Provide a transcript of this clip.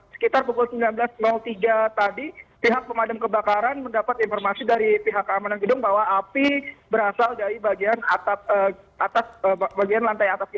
sekitar pukul sembilan belas tiga tadi pihak pemadam kebakaran mendapat informasi dari pihak keamanan gedung bahwa api berasal dari bagian atas bagian lantai atas